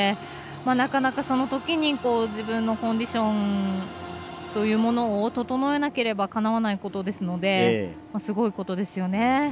なかなか、そのときに自分のコンディションというものを整えなければかなわないことですのですごいことですよね。